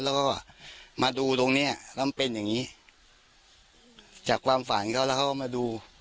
แล้วก็มาดูตรงเนี้ยแล้วมันเป็นอย่างงี้จากความฝันเขาแล้วเขาก็มาดู